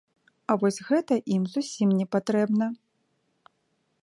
А вось гэта ім зусім непатрэбна.